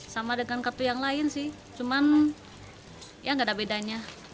sama dengan kartu yang lain sih cuman ya nggak ada bedanya